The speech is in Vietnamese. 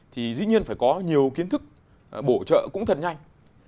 thì dĩ nhiên phải có nhiều kiến thức bổ trợ cũng thật nhanh